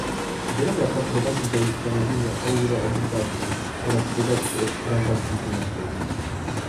Droga ta prowadzi do ustanowienia euroobligacji oraz podatku od transakcji finansowych